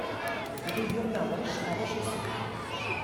Rue d'Urbainroche à Rochesson